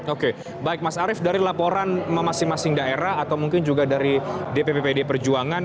oke baik mas arief dari laporan masing masing daerah atau mungkin juga dari dpp pd perjuangan